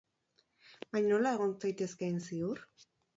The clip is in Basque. Baina nola egon zaitezke han ziur?